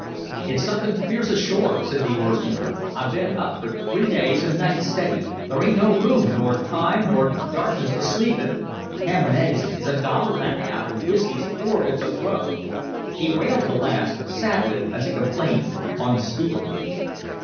"It's somethin' fierce ashore," said the oarsman. "I been up fer three days an' nights steady there ain't no room, nor time, nor darkness to sleep in. Ham an' eggs is a dollar an' a half, an' whiskey's four bits a throw." He wailed the last, sadly, as a complaint unspeakable.